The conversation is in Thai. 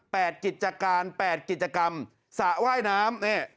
กิจการแปดกิจกรรมสระว่ายน้ำเนี่ย